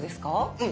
うん。